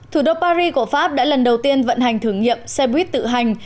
thủ đô paris của pháp đã lần đầu tiên vận hành thử nghiệm xe buýt tự hành